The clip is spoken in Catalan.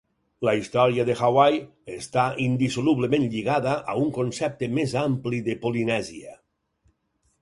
La història de Hawaii està indissolublement lligada a un concepte més ampli de Polinèsia.